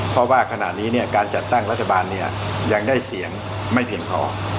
เพราะว่าขณะนี้เนี่ยการจัดตั้งรัฐบาลเนี่ยยังได้เสียงไม่เพียงพอ